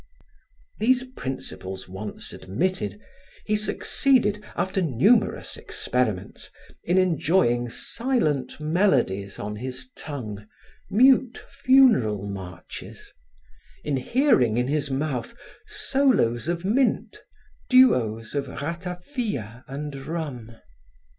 These principles once admitted, he succeeded, after numerous experiments, in enjoying silent melodies on his tongue, mute funeral marches, in hearing, in his mouth, solos of mint, duos of ratafia and rum.